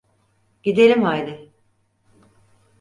Gidelim haydi.